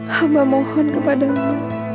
hamba mohon kepadamu